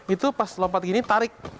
itu pas lompat gini tarik